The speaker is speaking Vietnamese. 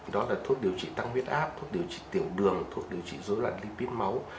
đó là thuốc điều trị tăng huyết áp thuốc điều trị tiểu đường thuộc điều trị dối loạn lipid máu